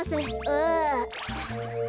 ああ。